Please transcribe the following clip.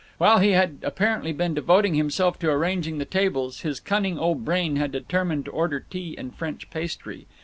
While he had apparently been devoting himself to arranging the tables his cunning old brain had determined to order tea and French pastry.